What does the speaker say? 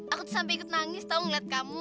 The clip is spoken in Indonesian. aku tuh sampe ikut nangis tau ngeliat kamu